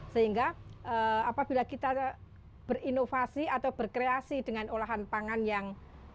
sehingga apabila kita berinovasi atau berkreasi dengan olahan pangan yang